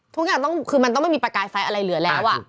ทุกอย่างต้องคือมันต้องไม่มีประกายไฟอะไรเหลือแล้ว